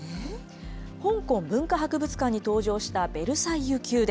香港文化博物館に登場したベルサイユ宮殿。